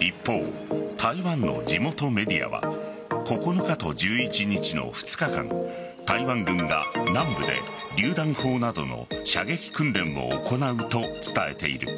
一方、台湾の地元メディアは９日と１１日の２日間台湾軍が南部でりゅう弾砲などの射撃訓練を行うと伝えている。